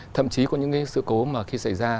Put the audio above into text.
thậm chí có những sự cố mà khi xảy ra